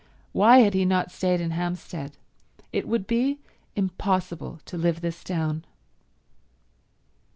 Why had he not stayed in Hampstead? It would be impossible to live this down.